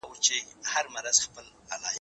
تا چي ول موږ انسانان نه يو .